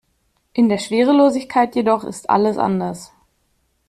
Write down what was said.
In der Schwerelosigkeit jedoch ist alles anders.